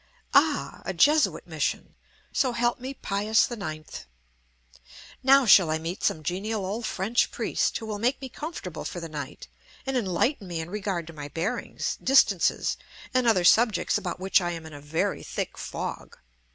Ah! a Jesuit mission, so help me Pius IX! now shall I meet some genial old French priest, who will make me comfortable for the night and enlighten me in regard to my bearings, distances, and other subjects about which I am in a very thick fog.